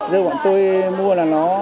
giờ bọn tôi mua là nó